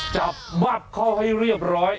จับบะเขาให้เรียบ